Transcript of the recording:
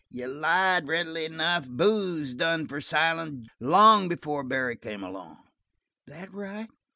Ye lied readily enough: booze done for Silent long before Barry come along." "That right?"